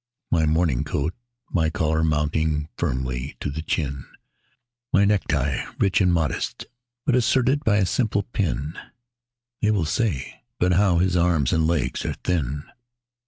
My morning coat, my collar mounting firmly to the chin, My necktie rich and modest, but asserted by a simple pin (They will say: "But how his arms and legs are thin!")